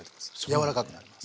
柔らかくなります。